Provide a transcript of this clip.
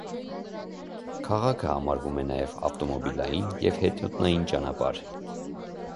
Քաղաքը համարվում է նաև ավտոմոբիլային և հետիոտնային ճանապարհ։